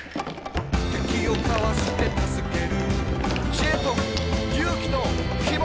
「敵をかわして助ける」「知恵と勇気と希望と」